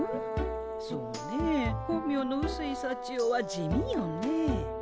そうねえ本名のうすいさちよは地味よね。